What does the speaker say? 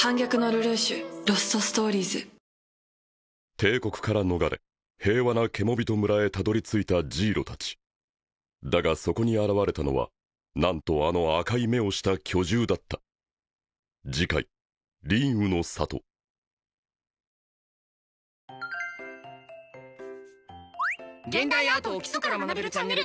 帝国から逃れ平和なケモビト村へたどりついたジイロたちだがそこに現れたのはなんとあの赤い目をした巨獣だった「現代アートを基礎から学べるチャンネル」